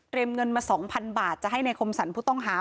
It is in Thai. เตรียมเงินมา๒๐๐๐บาทจะให้ในคมสรรพุทธองฮา